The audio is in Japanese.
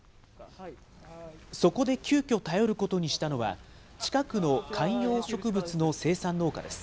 そこで急きょ、頼ることにしたのは、近くの観葉植物の生産農家です。